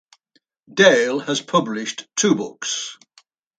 Dale has published two books.